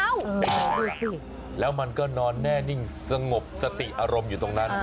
ดูสิแล้วมันก็นอนแน่นิ่งสงบสติอารมณ์อยู่ตรงนั้น